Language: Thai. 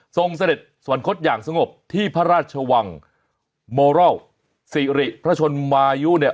เสด็จสวรรคตอย่างสงบที่พระราชวังโมรอลสิริพระชนมายุเนี่ย